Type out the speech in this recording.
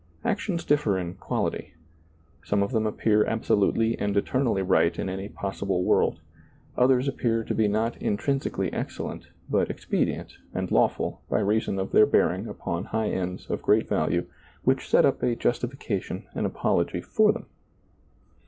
Actions differ in quality; some of them appear absolutely and eternally right in any possible world ; others appear to be not intrinsi cally excellent, but expedient and lawful by reason of their bearing upon high ends of great value which set up a justification and apology for them.